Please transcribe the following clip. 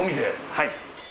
はい。